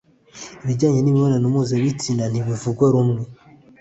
ibijyanye n'imibonano mpuzabitsina ntibivugwa rumwe